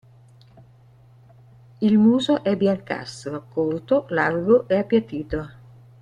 Il muso è biancastro, corto, largo e appiattito.